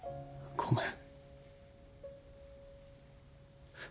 ごめん。